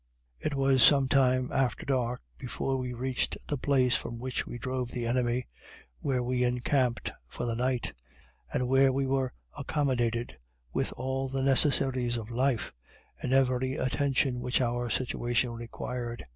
It was sometime after dark before we reached the place from which we drove the enemy, where we encamped for the night, and where we were accommodated with all the necessaries of life, and every attention which our situation required.